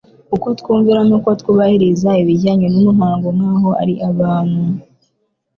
uko twumvira n'uko twubahiriza ibijyanye n'umuhango nk'aho ari abantu!